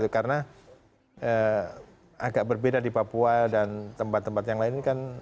karena agak berbeda di papua dan tempat tempat yang lain kan